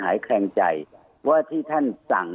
แคลงใจว่าที่ท่านสั่ง